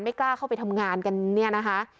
ไม่กล้าเข้าไปทำงานกัน